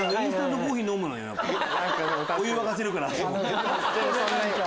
お湯沸かせるからあそこ。